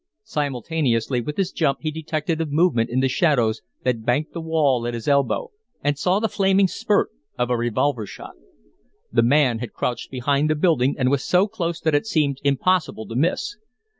Simultaneously with his jump he detected a movement in the shadows that banked the wall at his elbow and saw the flaming spurt of a revolver shot. The man had crouched behind the building and was so close that it seemed impossible to miss.